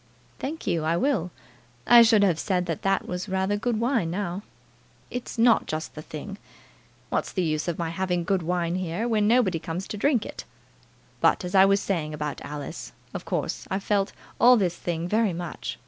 "Thank you, I will. I should have said that that was rather good wine, now." "It's not just the thing. What's the use of my having good wine here, when nobody comes to drink it? But, as I was saying about Alice, of course I've felt all this thing very much.